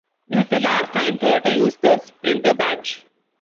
This is the last time Toyota used the Sprinter badge.